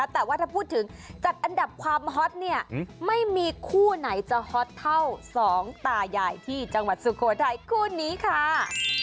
แต่ว่าถ้าพูดถึงจัดอันดับความฮอตเนี่ยไม่มีคู่ไหนจะฮอตเท่าสองตายายที่จังหวัดสุโขทัยคู่นี้ค่ะ